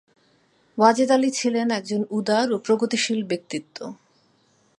ওয়াজেদ আলী ছিলেন একজন উদার ও প্রগতিশীল ব্যক্তিত্ব।